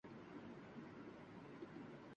بیاں کیا کیجیے بیداد کاوش ہائے مژگاں کا